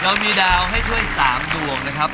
เรามีดาวให้ช่วย๓ดวงนะครับ